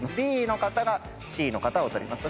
Ｂの方がＣの方を撮ります。